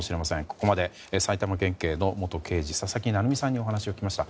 ここまで埼玉県警の元刑事佐々木成三さんにお話を聞きました。